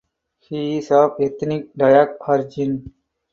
He is of ethnic Dayak origin.